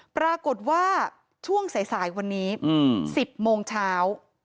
ปรากฏว่าช่วงสายวันนี้๑๐โมงเช้า